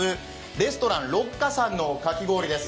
レストランＲｏｃｃａさんのかき氷です